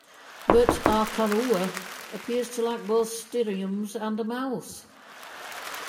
But "Arkarua" appears to lack both stereoms and a mouth.